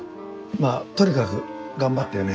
まぁとにかく頑張ってよね